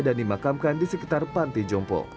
dan dimakamkan di sekitar panti jompo